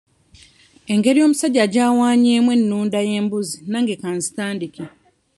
Engeri omusajja gy'awanyeemu ennunda y'embuzi nange ka nzitandike.